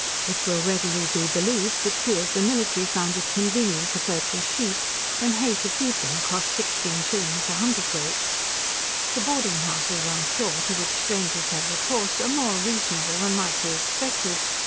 It will readily be believed, that few of the military found it convenient to purchase sheep, when hay to feed them costs sixteen shillings a hundred weight. The boarding houses on shore, to which strangers have recourse, are more reasonable than might be expected.